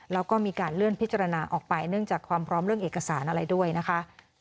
แล้วก็มีการเลื่อนพิจารณาออกไปเนื่องจากความพร้อมเรื่องเอกสารอะไรด้วยนะคะ